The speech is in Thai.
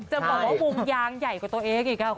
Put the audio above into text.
จะบอกว่าวงยางใหญ่กว่าตัวเองอีก